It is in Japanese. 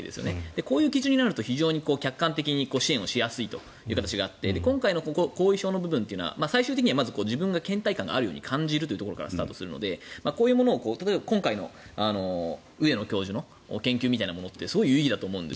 こういう基準になると非常に客観的に支援をしやすいという形があって今回の後遺症の部分は最終的には自分がけん怠感があるというところからスタートするのでこういうものを今回の上野教授の研究みたいなものってすごい有意義だと思うんです。